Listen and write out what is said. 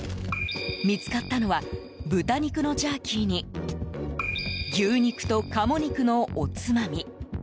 見つかったのは豚肉のジャーキーに牛肉と鴨肉のおつまみ。